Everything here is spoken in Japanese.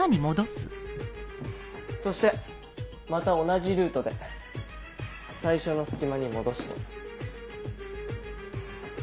そしてまた同じルートで最初の隙間に戻して。